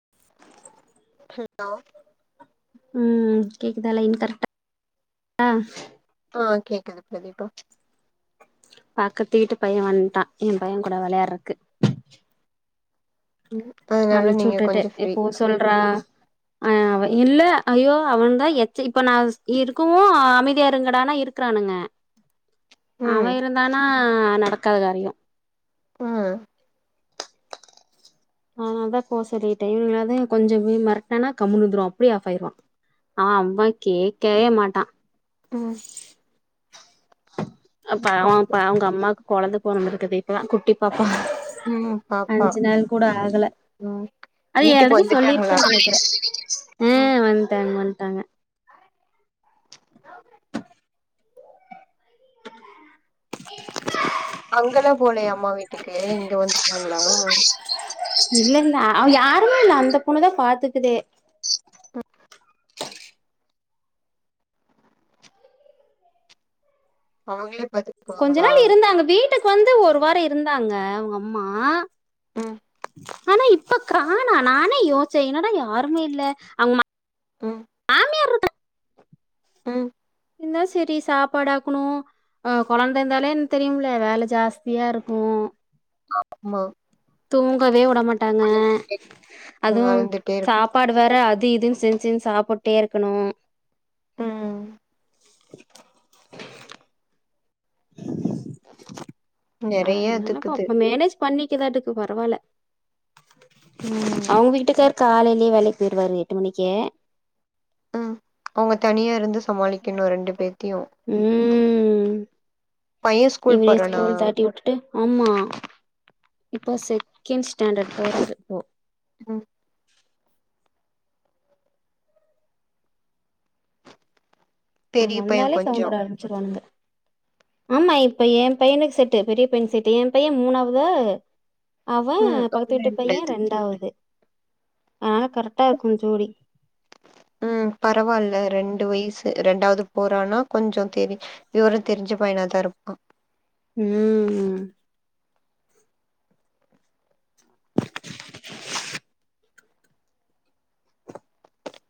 [inaudible] ம் கேக்குதா லைன் கரெக் [inaudible] ஆ கேக்குது பிரதீபா பக்கத்து வீட்டு பையன் வன்ட்டான் என் பையன் கூட வெளாய்ட்றக்கு ம் அதனால அம்ச்சு நீங்க உட்டுட்டே கொஞ்சோ ஃப்ரீ இப்போ சொல்றான் அ அவ இல்ல ஐயோ அவன்தா எச்ச இப்போ நா இருக்கவு அமைதியா இருங்கடானா இருக்குறானுங்க ம் அவன் இருந்தானா நடக்காத காரியோ ப அதுனாலதா போ சொல்லிட்டே இவுங்களாது கொஞ்ச பே மெரட்னனா கம்முண்ணு இருந்துர்வான் அப்டியே ஆஃப் ஆய்ர்வான் ஆ அவன் கேக்கவே மாட்டான் ம் அப்ப அவன்ப்ப அவுங்க அம்மாக்கு கொழந்த பொறந்துருக்குது இப்பதா குட்டி பாப்பா ம் பாப்பா அஞ்சு நாள் கூட ஆகல ம் அது வீட்டுக்கு ஏல்ரெடி வந்துட்டாங்களா சொல்லிர்ப்பேன் நெனைக்கிற ம் வன்ட்டாங் வன் அங்கெல்லா போலயா அம்மா வீட்டுக்கு இங்க வந்துட்டாங்குளா இல்ல அவ இல்ல யாருமே இல்ல அந்த பொண்ணுதா பாத்துக்குதே ம் அவங்ளே கொஞ்ச நாள் இருந்தாங்க வீட்டுக்கு வந்து ஒரு வார இருந்தாங்க அவ்ங் அம்மா ம் ஆனா இப்ப காணோ நானே யோச்சே என்னடா யாருமே இல்ல அவ்ங்மா ம் மாமியார் இருக்கு ட்டு இந்தா செரி சாப்பாடாக்குணு அ கொழந்த இர்ந்தாலே தெரியும்ல வேல ஜாஸ்தியா இருக்கு ம்மா தூங்கவே உட மாட்டாங்க அதுவு அழுந்துட்டே இரு சாப்பாடு வேற அது இதுன் சென் செஞ் சாப்புட்டே இருக்கணு ம் நெறைய அதுனால இதுக்குது பாப்பு மேனேஜ் பண்ணிக்குதாட்டுக்கு பரவால ம் அவ்ங் வீட்டுக்கார் காலேயே வேலைக் பேய்ர்வாரு எட்டு மணிக்கே ம் அவுங்க தனியா இருந்து சமாளிக்கணு ரெண்டு பேத்தியு ம் பையன் ஸ்கூல் இவனே போறானா ஸ்கூல் தாட்டி விட்டுட்டு ஆமா இப்ப செகண்ட் ஸ்டாண்டர் போராரு போ ம் அவ்ங் பெரிய பைய வந்தாலே கொஞ்சோ சவுன்ட்வுட அரம்மிச்சுருவான்ங்க ஆமா இப்ப ஏன் பையனுக்கு செட்டு பெரிய பைனுக் செட்டு என் பையன் மூணாவது அவன் ம் பக்கத்து அது வீட்டு நல்லது பையன் ரெண்டாவது அதனால கரெக்டா இருக்கு ஜோடி ம் பரவால்ல ரெண் டு வய்சு ரெண்டாவ்து போறானா கொஞ்சோ தெரி விவரோ தெருஞ்ச பைனாதா இருப்பான் ம்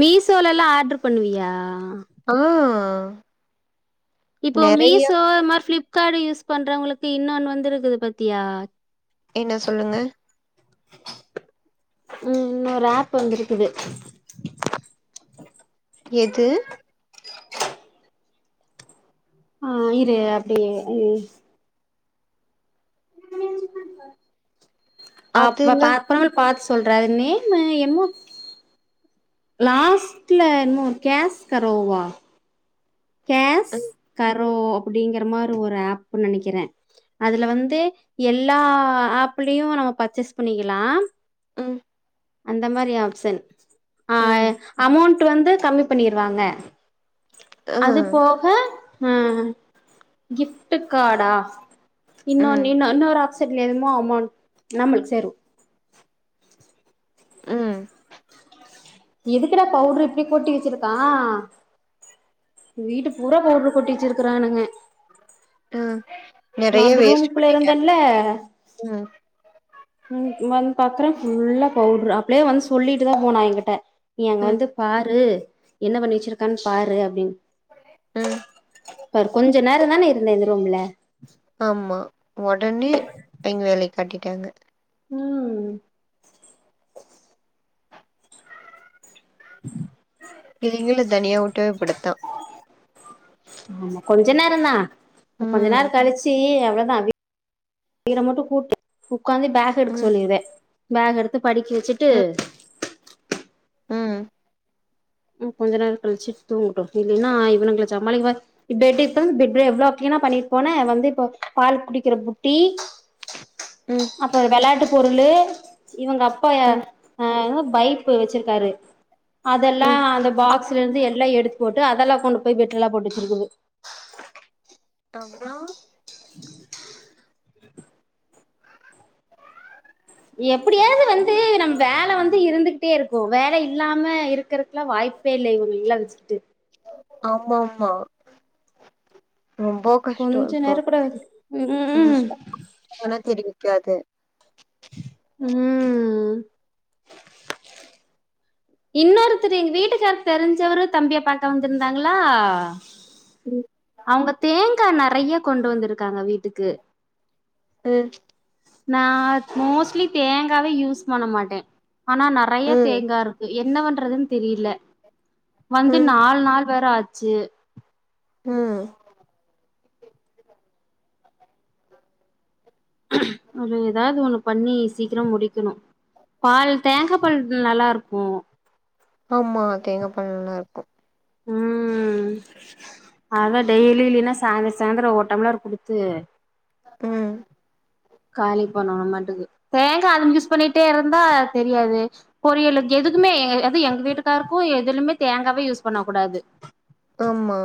மீசோலலா ஆட்ரு பண்ணுவியா ஆ இப்போ நெறையா மீசோ இது மாரி ஃப்ளிப்காடு யூஸ் பண்றவுங்குளுக்கு இன்னொன் வந்துருக்கிது பாத்தியா என்ன சொல்லுங்க ம் இன்னொரு ஆப் வந்திருக்குது எது ஆ இரு அப்டியே ம் அப்ப அதுல பாத்தா பாத்ஸ் சொல்ற அது நேம்மு எமோ லாஸ்ட்ல என்மோ கேஸ் கரோவா கேஸ் ம், கர் கரோ அப்டிங்ற மாரி ஒரு ஆஃப்னு நெனைக்ற அதுல வந்து எல்லா ஆ பிலியு நம்ம பர்ச்சஸ் பண்ணிக்லா ம் அந்த மாரி ஆப்ஷன் ஆ ம், அமௌண்ட் வந்து கம்மி பண்ணிருவாங்க ஆ, அது போக அ கிஃப்ட் காடா இன்னொன்னு ம், இன்ன இன்னொரு ஆப்சட்ல எதுமோ அமௌண்ட் நம்ளுக்கு சேரு ம் எதுக்குட பவுட்ரு இப்டி கொட்டி வச்ருக்கா வீட்டு பூரா பவுட்ரு கொட்டிவச்சிருக்கானுங்க ம் நெறைய வேஸ்ட் இருந்தேன்ல பண்ணிட்டானுங்க [inaudible] ம் ம் வந் பாக்றே ஃபுல்லா பவுட்ரு அப்லியே வந்து சொல்லிட்டு தா போனா என்கிட்ட நீ அங்க ம், வந்து பாரு என்ன பண்ணி வச்சிருக்கான்னு பாரு அப்டின்னு ம் பாரு கொஞ்ஜ நேரோ தான இருந்த இந்த ரூம்ல ஆமா ஒடனே இங் வேலய காட்டிட்டாங்க ம் இவிங்கள தனியா வுட்டவே இப்டித்தா ஆமா கொஞ்ஜ நேரொதா கொஞ்ஜ ம், நேரொ கழிச்சு அவ்ளோதா வி வீட மட்டு கூட்டு உக்காந்து பேஹ எடுக்க ம், சொல்ருவே பேஹ எடுத்து படிக்க வச்சுட்டு ம், ம் கொஞ்ஜ நேரொ கழிச்சி தூங்குட்டு இல்லின்னா இவனுங்ல சமாளிக்க பெட் இப்ப தான பெட் எவ்ளோ க்ளீன் னாப் பண்ணிட்டு போன வந்து இப்போ பால் குடிக்ற புட்டி ம், அப்ரோ வெளையாட்டு பொருளு இவங்க அப்பா ம், அ பை ப்பு வச்ருக்காரு அதெல்லா ம். அந்த பாக்ஸ்ல இருந்து எல்லா எடுத் போட்டு அதெல்லா கொண்டு போய் பெட்லல்லா போட்டு வச்சிருக்குது அப்புறம் எப்டியாவது வந்து நம்ம வேல வந்து இருந்துகிட்டே இருக்கு வேல இல்லாம இருக்றக்லா வாய்ப் பே இல்ல இவங்கலல்லா வச்சுக்கிட்டு ஆமா ஆமா ரொம்போ கஷ்டொ கொஞ்ச இப்ப நேர கூட ம் ஸ் போன தெரியு கியாது ம் இன்னொருத்தரு எங்க வீட்டுக்காருக்கு தெரிஞ்சவரு தம்பிய பாக்க வந்திருந்தாங்ளா ம் அவுங்க தேங்கா நெறைய கொண்டு வந்திருக்காங்க வீட்டுக்கு அஹ் நா மோஸ்லி தேங்காவே யூஸ் பண்ண மாட்டே ஆனா நெறைய ம் தேங்கா இருக்கு என்ன பண்றதுன் தெரில வந்து ம் நால் நாள் வேற ஆச்சு ம் ஒரு ஏதாவது ஒண்ணு பண்ணி சீக்கிரம் முடிக்கணு பால் தேங்கா பால் நல்லா இருக்கு ஆமா தேங்கா பால் நல்ல இருக்கு ம் ம் அதா டெய்லி இல்லீன்னா சாய்ந்தரோ சாயந்தரோ ஒரு டம்ளர் குடுத்து ம் காலி பண்ணோனுமாட்டு இருக்கு தேங்க அது யூஸ் பண்ணிட்டே இருந்தா தெரியாது பொரியலுக்கு எ துக்குமே எ அது எங்க வீட்டுக்காருக்கு எதுலுமே தேங்காவே யூஸ் பண்ண கூடாது ஆமா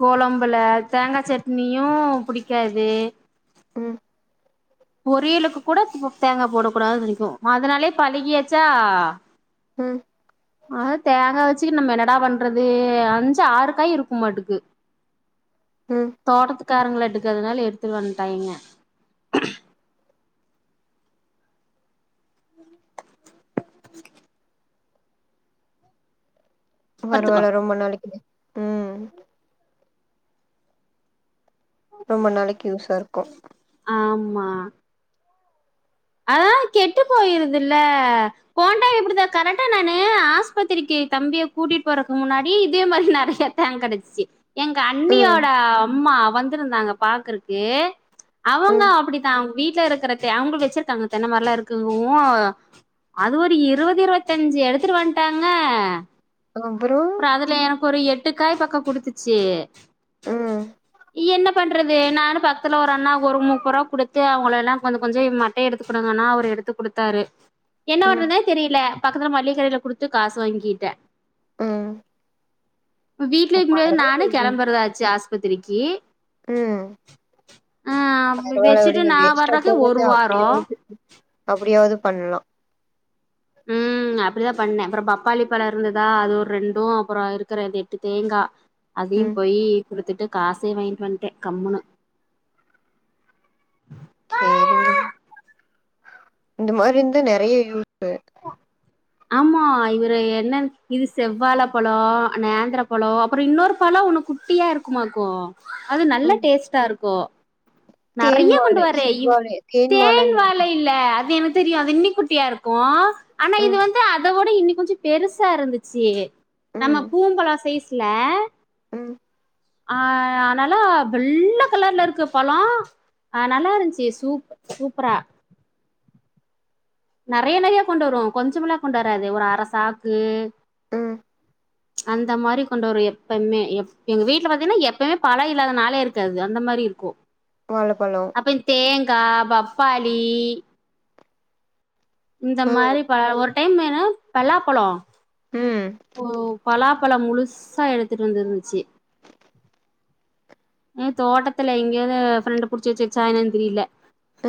கொழம்புல தேங்கா சட்னியும் புடிக்காது ம் பொரியலுக்கு கூட தேங்கா போடக்க கூடாது வந்துநிக்கோ அதனாலே பழகியாச்சா ம் அத தேங்கா வெச்சுகிட்டு நம்ம என்னடா பண்றது அஞ்சு ஆறுக்காய் இருக்குமாட்டுக்கு ம் தோட்டத்துக்காரங்கள எடுக்கறதுனால எடுத்துட்டு வன்டாயிங்க ம் பாத்துக்கோ பரவால்ல ரொம்ப நாளைக்கு ம் ரொம்ப நாளைக்கு யூஸா இருக்கும் ஆமா அதா கெட்டு போயிருதுல்ல போன் டைம் இப்டித்தா கரெக்டா நா ஆஸ்பத்திரிக்கி நீ தம்பிய கூட்டிட்டு போறக்கு முன்னாடி இதே மாரி நறைய தேங்க் கெடைச்சிச்சு எங்க ம் அண்ணியோட அம்மா வந்திருந்தாங்க பாக்குறக்கு அவுங்க ம் அப்படித்தா அவுங்க வீட்டுல இருக்கற தோ அவுகளு வெச்சிருக்காங்க தென்ன மரோல்லா இருக்கு இங்கவு அது ஒரு இருவது இருவத்தஞ்சி எடுத்துட்டு வன்டாங்க அப்புறோ அதுல எனக்கு ஒரு எட்டு காய் பக்கோ குடுத்துச்சி ம் இ என்ன பண்றது நானு பக்கத்துல ஒரு அண்ணா ஒரு முப்பரூபா குடுத்து அவுங்கள எல்லா கொஞ்ச கொஞ்சோ மட் மட்டைய எடுத்து குடுங்கன்னா அவர் எடுத்து குடுத்தாரு என்ன ம் பண்றதுனே தெரியல பக்கத்துல மல்லிகக் கடையில குடுத்து காசு வாங்கிட்டே ம் வீட்ல இருக்க முடியாது நானு பரவால்ல கிளம்பறதாச்சி ஆஸ்பத்திரிக்கி ம் அ அப் பரவால்ல வெச்சிட்டு விடுங்க நா வேஸ்ட்டா வர்றதே போறது ஒரு வார் அப்டியாவது பண்ணலா ம் ம் அப்படிதா பண்ணே அப்புறோ பப்பாளி பழோ இருந்ததா அது ஒரு ரெண்டு அப்புறோ இருக்குற அந்த எட்டு தேங்கா அதையு ம் போயி குடுத்துட்டு காசே வாங்கிட்டு வன்டே கம்முனு சேரி உடு இந்த மாரி இருந்த நெறைய யூஸ் ஆமா இவரு என்ன இது செவ்வாழ பழோ நேந்தர பழோ அப்புறோ இன்னொரு பழோ ஒன்னு குட்டியா இருக்குமாக்கு அது நல்லா ம் டேஸ்டா இருக்கு தேன் நறைய கொண்டு வாழை வரே செவ்வாழை வாழ தேன் நெனைக்கிறே வாழை இல்ல அது எனக் தெரியு அது இன்னிக்குட்டியா இருக்கு ஆனா இது ம் வந்து அதோட இன்னி கொஞ்சோ பெருசா இருந்துச்சி ம் நம்ம பூவும்பழோ சைஸ்ல ம் ஆ நல்லா வெள்ள கலர்ல இருக்கு பழோ அ நல்லா இருஞ்சி சூப் சூப்பரா நறைய நறையா கொண்டு வருவோ கொஞ்சமல்லா கொண்டு வராது ஒரு அர சாக்கு ம் அந்த மாரி கொண்டு வரு எப்பமே எங்க வீட்டில பாத்தினா பழோ இல்லாத நாளே இருக்காது அந்த மா மாரி இருக்கு வாழப்பழோ கா பப்பாளி இந்த ம் மாரி பழோ ஒரு டைம் என்னன்னா பலாப்பழோ ம் பலா பழோ முழுசா எடுத்துட்டு வந்திருந்துச்சி ம் தோட்டத்துல எங்கேயாது ஃப்ரெண்டு புடிச்சி வெச்சிச்சான்னு தெரியல அ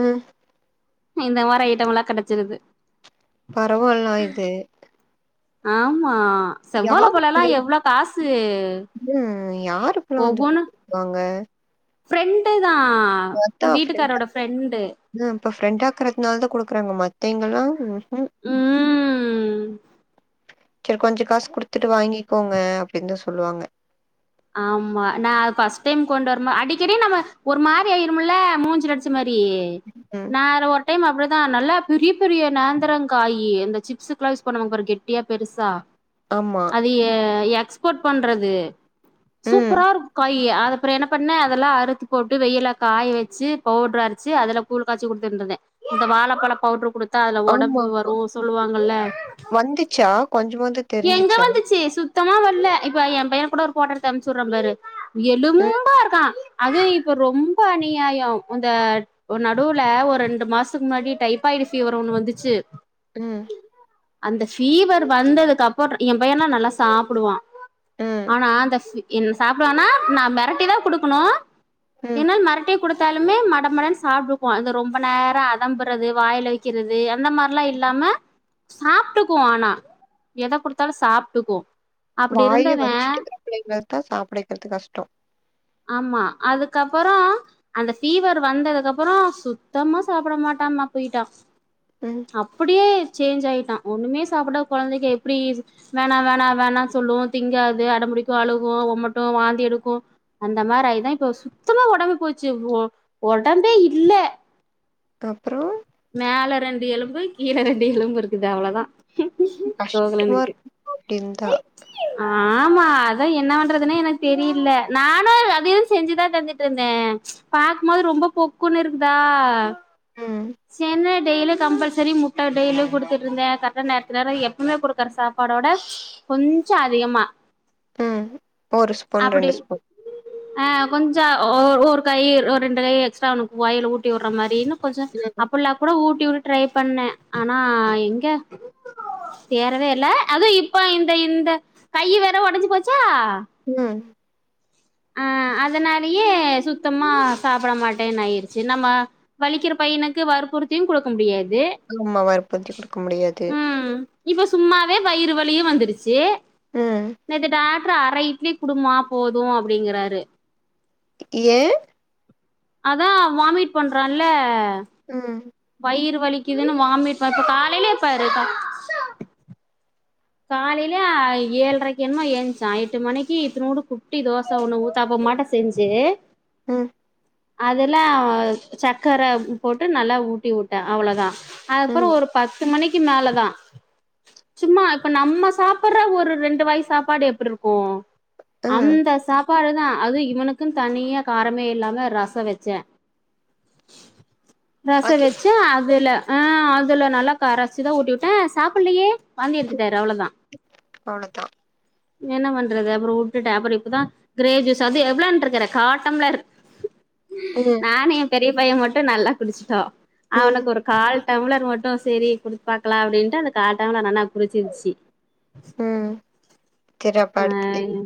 இந்த மாரி ஐட்டம் எல்லா கெடச்சிருது பரவால்னா இது ஆமா செவ்வாழ யாரு பழம்லா எவ்ளோ காசு ம் யாரு இப்ப எல்லா வந்து இப்டி ஒவ்வொன்னு குடுப்பாங்க ஃப்ரெண்டு தா உ அத்தா ஃப்ரெண்டா வீட்டுக்காரோட ஃப்ரெண்டு ம் அப்ப ஃப்ரெண்டா இருக்றனாலதா குடு க்றாங்க மத்தவிங்லா ஊஹூ ம் சேர் கொஞ்ச காசு குடுத்துட்டு வாங்கிகோங்க அப்டின் தா சொல்லுவாங்க ஆமா நா ஃபர்ஸ்ட் டைம் கொண்டு வரம் போ அடிக்கடி நம்ம ஒரு மாரி ஆயிரும்ல மூஞ்சில அடிச்ச மாரி ம் நா அதுல ஒரு ஒரு டைம் அப்டிதா நல்லா பெரிய பெரிய நேந்திரங்காயி அந்த சிப்ஸ்க்கு எல்லா யூஸ் பண்ணுவாங் பாரு கெட்டியா பெருசா ஆமா அது எ எக்ஸ்போர்ட் பண்றது ம் சூப்பரா இருக்கு காய் அ அப்புற என்ன பண்ணே அதெல்லா அறுத்து போட்டு வெயில்ல காய வச்சு பவுடர் அரைச்சி அதுல கூழ் காச்சி குடுத்துட்ருந்தே இந்த வாழப்பழ பவுடர் குடுத் தா அதுல ஆமா ஒடம்பு வரு ஆமா அப்டின் சொல்வாங்கல்ல வந்துச்சா கொஞ்சமாது எங்க தெரிஞ்சுச்சா வந்துச்சி சுத் சுத்தமா வல்ல இப்ப எம்பைய கூட ஒரு ஃபோட்டே எடுத்து அனுச்சி விடுறே பாரு ம் எலும்பா இருக்கா அது இப்ப ரொம்ப அநியாய இந்த நடுவுல ஒரு ரெண்டு மாசத்க்கு முன்னாடி டைஃபாய்டு ஃபீவர் ஒண்ணு வந்துச்சி ம் அந்த ஃபீவர் வந்ததுக்கப்புற எம் பையனா நல்லா சாப்டுவா ம் ஆனா அந்த ஃபி என் சாப்டுவானா நா மெரட்டிதா குடுக்கணு ம் என்னால் மெரட்டியே குடுத் த்தாலுமே மடமடனு சாப்டுக்வா இந்த ரொம்ப நேர அடம்பறது வாய்ல வக்கிறது அந்த மார்லா இல்லாம சாப்ட்டுக்குவா ஆனா எத குடுத்தாலு சாப்ட்டுக்கு அப்டி வாய்ல இருந்தவே வச்சிட்டு இருக்ற பிள்ளைங்ளதா சாப்ட வெக்கிறது கஷ்ட ஆமா அதுக்கப்புற அந்த ஃபீவர் வந்ததுக்கப்புற சுத்தமா சாப்ட மாட்டாமா போய்ட்டா ம் அப்டியே சேஞ்ச் ஆயிட்டா ஒண்ணுமே சாப்டாத கொழந்தைக எப்டி வேணா வேணா வேணான் சொல்லு திங்காது அடம்பிடி அழுகு ஒமட்டு வாந்தி எடுக்கு அந்த மாரி ஆயிதா இப்ப சுத்தமா ஒடம்பே போச்சு ஒ ஒ ஒடம்பே இல்ல அப்றொ ரண்டு எலும்பு கீழே ரண்டு எலும்பு இருக்குது அவ்ளதா கஷ்டமா இருக்கு அப்டி இருந்தா ஆமா அ தா என்ன பண்றதுனே எனக்கு தெரியில நானு அதையு செஞ்சுதா தந்துட்ருந்தே பாக்குமோது ரொம் ரொம்ப பொக்குனு இருக்குதா ம் சேர்னு டெய்லி கம்பல்சரி முட்ட டெய்லியு குடுத்துட்ருந்தே கரெக்டா நேரத்துக் நேர எப்பவ்மே குடுக்குற சாப்பாடோட கொஞ்ச அதிகமா ம் ஒரு ஸ்பூன் அப்டி ரண்டு ஸ்பூன் ஆ கொஞ்ச ஒ ஒரு கை ஒரு ரெண்டு கை எக்ஸ்ட்ரா அவ்னுக்கு வாயில ஊட்டி உடற மாரினு கொஞ்ச ம் ஃபுல்லா கூட ஊட்டி வுட ட்ரை பண்ணே ஆனா எங்க தேறவே இல்ல அது இப்ப இந்த இந்த கையி வேற ஒடஞ்சு போச்சா என்ன ஆ அதனாலயே சுத்தமா சாப்பட மாட்டேன் ஆயிருச்சு நம்ம வலிக்கற பையனுக்கு வற் புறுத்தியு குடுக்க முடியாது ஆமாவா பூத்தி குடுக்க முடியாது ம் இப்ப சும்மாவே வயிறு வலியு வந்துருச்சு ம் நேத்து டாக் ட்ரு அர இட்லி குடுமா போது அப்டிங்கறாரு ஏ அதா வாமிட் பண்றான்ல ம் வயிறு வலிக்குதுனு வாமிட் ப இப்ப காலைலியே பாரு காலையில ஏழ்ரைக்கென்னமோ ஏன்ச்சா எட்டு மணிக்கு இத்னோன்டு குட்டி தோச ஒண்ணு ஊத்தாப்பம் மாட்டோ செஞ்சு ம் அதுல சக்கரை போட்டு நல்லா ஊட்டி உட்டே அவ்ளோதா அதுப்புறோ ம் ஒரு பத்து மணிக்கு மேலதா சும்மா இப்ப நம்ம சாப்ட்ற ஒரு ரெண்டு வாய் சாப்பாடு எப்டி இருக்கு ஆ அந்த சாப் பாடு தா அது இவனுக்கு தனியா காரமே இல்லாம ரச வச்சே ரச அது வச்சு அதுல ஆ அதுல நல்லா கரசிதா ஊட்டி உட்டே சாப்புட்லையே தர அவ்ளோதா அவ்ளோதா என்ன பண்றது அப்புற உட்டுட்ட அப்புற இப்பதா கிரே ஜூஸ்ஸு அது எவ்ளான்ட்ருக்குற காட்டம்ப்ளர் ம் நானு எ பெரிய பைய மட்டு நல்லா குடிச்சிட்டோ ம் அவனுக்கு ஒரு கால் டம்ளர் மட்டு சரி குடுத்து பாக்லா அப்டின்ட்டு அது காட்டம்ளர் நல்லா குறிச்சிருச்சு ம் சரி அப்ப அடுத்து ஆ